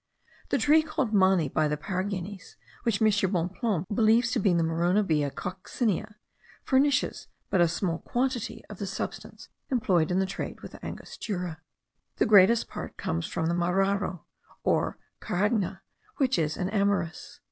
The tree called mani by the Paraginis, which M. Bonpland believes to be the Moronobaea coccinea, furnishes but a small quantity of the substance employed in the trade with Angostura. The greatest part comes from the mararo or caragna, which is an amyris.